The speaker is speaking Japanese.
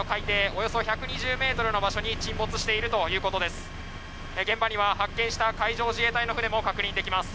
およそ１２０ｍの場所に沈没しているということです。